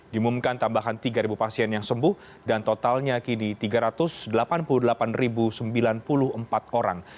dimumumkan tambahan tiga pasien yang sembuh dan totalnya kini tiga ratus delapan puluh delapan sembilan puluh empat orang